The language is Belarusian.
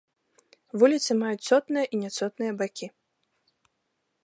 Вуліцы маюць цотныя і няцотныя бакі.